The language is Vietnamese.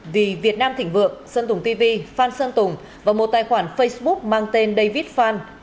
vì việt nam thịnh vượng sơn tùng tv phan sơn tùng và một tài khoản facebook mang tên david fan